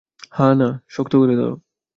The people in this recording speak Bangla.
হা-না, শক্ত করে ধরো!